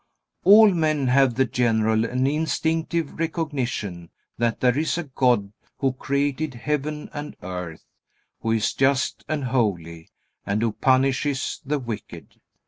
All men have the general and instinctive recognition that there is a God who created heaven and earth, who is just and holy, and who punishes the wicked.